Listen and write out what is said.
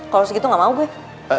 kalau segitu gak mau gue